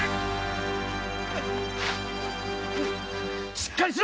しっかりしろ！